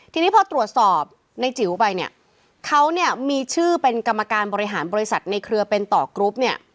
ทีนี้พอตรวจสอบในจิ๋วไปเนี่ยเขาเนี่ยมีชื่อเป็นกรรมการบริหารบริษัทในเครือเป็นต่อกรุ๊ปเนี่ย